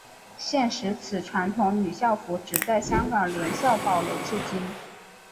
现时此传统女校服只在香港联校保留至今。